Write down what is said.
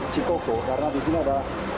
cikoko karena disini ada